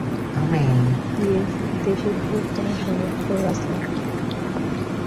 Kyiv দেশের বৃহত্তম শহর ও রাজধানী।